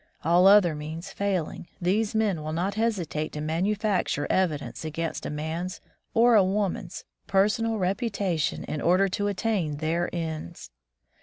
All other means failing, these men will not hesitate to manufacture evidence against a man's, or a woman's, personal reputation in order to attain their ends.